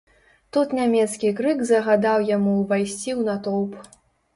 Тут нямецкі крык загадаў яму ўвайсці ў натоўп.